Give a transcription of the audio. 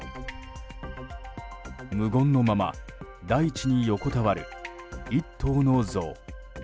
無言のまま大地に横たわる１頭のゾウ。